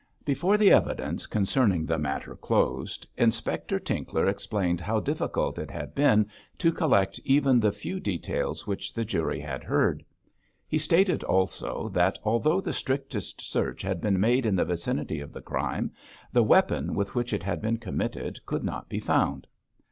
Before the evidence concerning the matter closed, Inspector Tinkler explained how difficult it had been to collect even the few details which the jury had heard. He stated also that although the strictest search had been made in the vicinity of the crime, the weapon with which it had been committed could not be found.